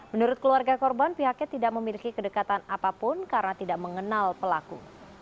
menurut keluarga korban pihaknya tidak memiliki kedekatan apapun karena tidak mengenal pelaku